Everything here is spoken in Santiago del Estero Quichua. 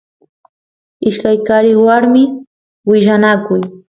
ishkay qaris warmis willanakuy